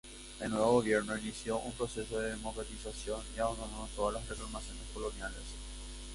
El nuevo gobierno inició un proceso de democratización y abandonó todas las reclamaciones coloniales.